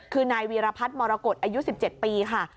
คือนายวีรพัฒน์มรกฏอายุ๑๗ปีค่ะ